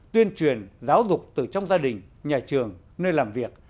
tuyên truyền giáo dục từ trong gia đình nhà trường nơi làm việc